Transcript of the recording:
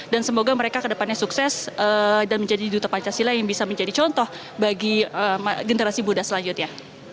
dan semoga mereka ke depannya sukses dan menjadi duta pancasila yang bisa menjadi contoh bagi generasi buddha selanjutnya